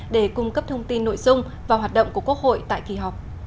để cung cấp thông tin nội dung và hoạt động của quốc hội tại kỳ họp